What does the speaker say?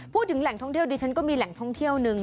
พูดถึงแหล่งท่องเที่ยวดิฉันก็มีแหล่งท่องเที่ยวนึง